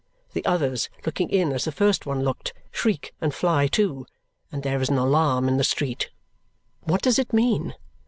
The others, looking in as the first one looked, shriek and fly too, and there is an alarm in the street. What does it mean?